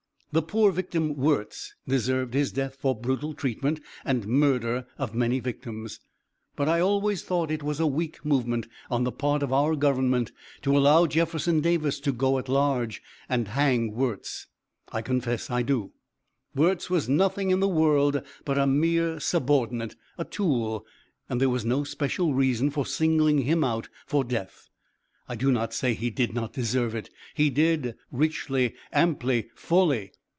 The poor victim Wirz deserved his death for brutal treatment, and murder of many victims, but I always thought it was a weak movement on the part of our government to allow Jefferson Davis to go at large, and hang Wirz. I confess I do. Wirz was nothing in the world but a mere subordinate, a tool, and there was no special reason for singling him out for death. I do not say he did not deserve it he did, richly, amply, fully.